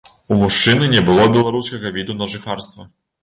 У мужчыны не было беларускага віду на жыхарства.